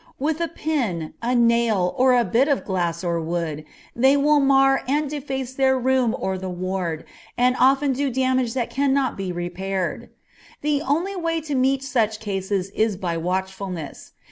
With a pin, a nail, or a bit of glass or wood, they will mar and deface their room or the ward, and often do damage that cannot be repaired. The only way to meet such cases is by watchfulness.